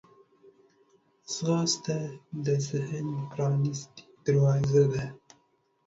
ځغاسته د ذهن پرانستې دروازې ده